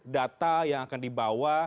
data yang akan dibawa